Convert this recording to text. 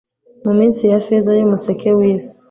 Mu minsi ya feza yumuseke wisi -